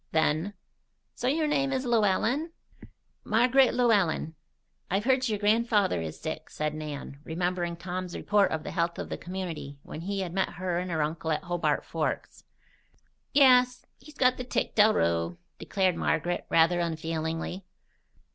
Then: "So your name is Llewellen?" "Marg'ret Llewellen." "I've heard your grandfather is sick," said Nan, remembering Tom's report of the health of the community when he had met her and her uncle at Hobart Forks. "Yes. He's got the tic del rew," declared Margaret, rather unfeelingly.